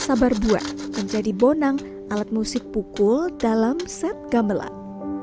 sabar buah menjadi bonang alat musik pukul dalam set gamelan